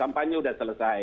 tampaknya sudah selesai